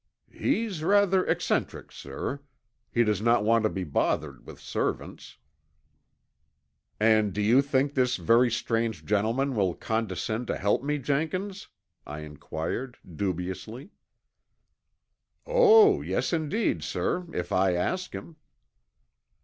"He's rather eccentric, sir. He does not want to be bothered with servants." "And do you think this very strange gentleman will condescend to help me, Jenkins?" I inquired dubiously. "Oh, yes, indeed, sir, if I ask him."